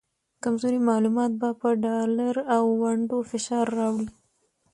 کمزوري معلومات به په ډالر او ونډو فشار راوړي